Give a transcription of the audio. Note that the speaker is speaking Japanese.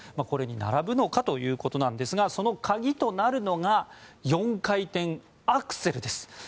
これに並ぶのかというところですがその鍵となるのが４回転アクセルです。